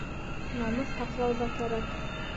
Намыҫ һаҡлау ҙа кәрәк.